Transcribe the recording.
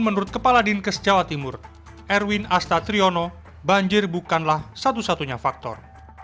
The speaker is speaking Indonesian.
menurut kepala dinkes jawa timur erwin astatriono banjir bukanlah satu satunya faktor